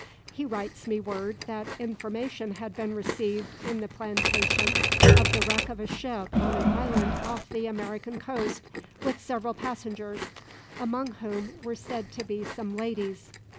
He writes me word that information had been received in the plantation of the wreck of a ship on an island off the American coast, with several passengers, among whom were said to be some ladies.